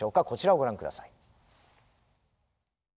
こちらをご覧下さい。